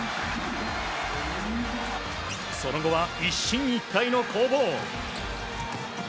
その後は一進一退の攻防。